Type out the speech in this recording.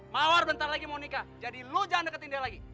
mawar bentar lagi mau nikah jadi lo jangan deketin dia lagi